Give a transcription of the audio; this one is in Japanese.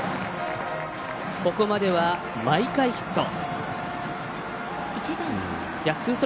ここまでは、毎回ヒット。